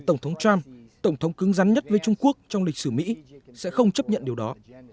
tổng thống trump tổng thống cứng rắn nhất với trung quốc trong lịch sử mỹ sẽ không chấp nhận điều đó